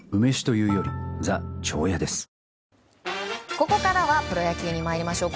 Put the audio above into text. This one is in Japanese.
ここからはプロ野球に参りましょう。